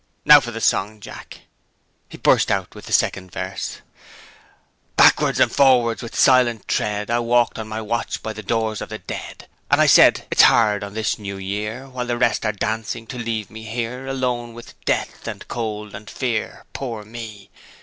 Now for the song, Jack!" He burst out with the second verse: Backwards and forwards, with silent tread, I walked on my watch by the doors of the dead. And I said, It's hard, on this New Year, While the rest are dancing to leave me here, Alone with death and cold and fear Poor me!